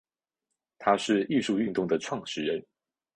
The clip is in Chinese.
他是艺术运动的始创人。